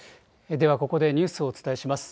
ではここでニュースをお伝えします。